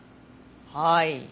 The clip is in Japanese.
はい。